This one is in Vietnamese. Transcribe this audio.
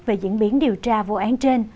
về diễn biến điều tra vụ án trên